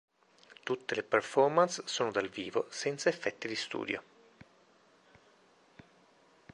Tutte le performance sono dal vivo senza effetti di studio.